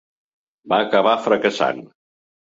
Va acabar fracassant.